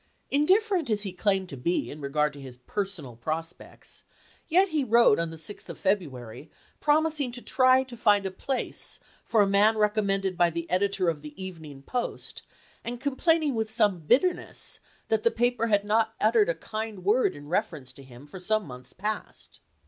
Indifferent as he claimed to be in regard to his personal prospects, he yet wrote on the 6th of Feb ruary promising to try to find a place for a man 1864. 314 ABEAHAM LINCOLN Chap. XII. recommended by the editor of the " Evening Post," and complaining with some bitterness that that pa chase to pel* had not uttered a kind word in reference to him war& for some months past.